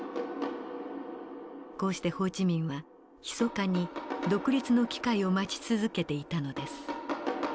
こうしてホー・チ・ミンはひそかに独立の機会を待ち続けていたのです。